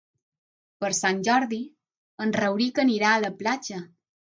Per Sant Jordi en Rauric anirà a la platja.